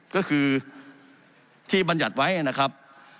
ก็คือที่บัญญัติไว้นะครับ